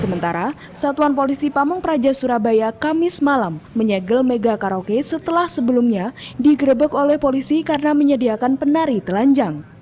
sementara satuan polisi pamung praja surabaya kamis malam menyegel mega karaoke setelah sebelumnya digerebek oleh polisi karena menyediakan penari telanjang